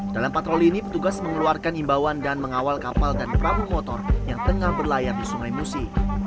dalam patroli ini petugas mengeluarkan imbauan dan mengawal kapal dan prabu motor yang tengah berlayar di sungai musi